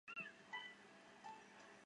种子由瘦果的颜色分成两种。